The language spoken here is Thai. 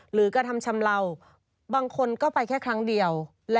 กระทำชำเลาบางคนก็ไปแค่ครั้งเดียว